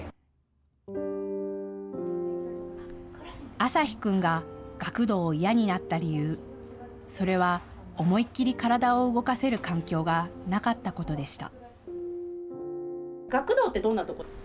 旭君が学童を嫌になった理由、それは思いっきり体を動かせる環境がなかったことでした。